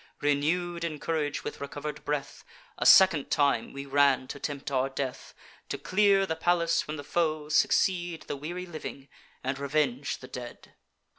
Renew'd in courage with recover'd breath, A second time we ran to tempt our death, To clear the palace from the foe, succeed The weary living, and revenge the dead.